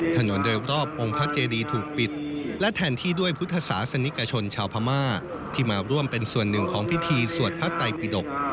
ถนนโดยรอบองค์พระเจดีถูกปิดและแทนที่ด้วยพุทธศาสนิกชนชาวพม่าที่มาร่วมเป็นส่วนหนึ่งของพิธีสวดพระไตปิดก